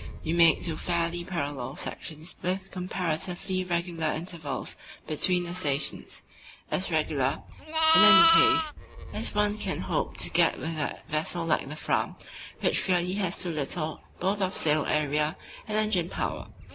We made two fairly parallel sections with comparatively regular intervals between the stations; as regular, in any case, as one can hope to get with a vessel like the Fram, which really has too little both of sail area and engine power.